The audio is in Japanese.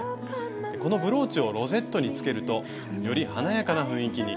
このブローチをロゼットにつけるとより華やかな雰囲気に。